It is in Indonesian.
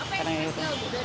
apa yang spesial dari pulut